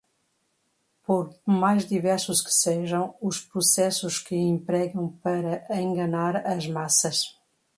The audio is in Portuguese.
por mais diversos que sejam os processos que empregam para enganar as massas